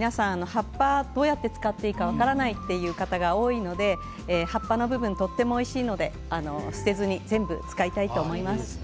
葉っぱをどうやって使っていいのか分からないという方が多いので、葉っぱの部分とてもおいしいので、捨てずに全部使いたいと思います。